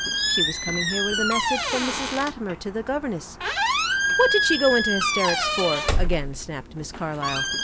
"She was coming here with a message from Mrs. Latimer to the governess." "What did she go into hysterics for?" again snapped Miss Carlyle.